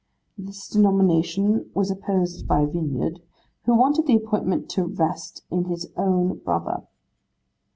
This nomination was opposed by Vinyard, who wanted the appointment to vest in his own brother.